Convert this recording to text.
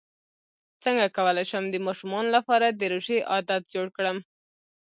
څنګه کولی شم د ماشومانو لپاره د روژې عادت جوړ کړم